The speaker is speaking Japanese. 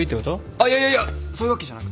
あっいやいやいやそういうわけじゃなくて。